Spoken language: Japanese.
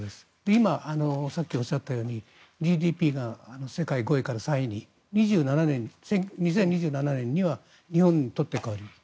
今、さっきおっしゃったようにＧＤＰが世界５位から３位に２０２７年には日本にとって代わります。